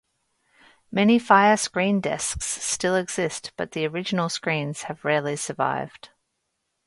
Many fire screen desks still exist, but the original screens have rarely survived.